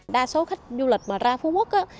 đa số khách du lịch ra phú quốc